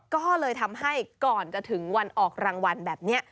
ก็เลยทำให้ก่อนจะถึงวันออกรางวัลแบบนี้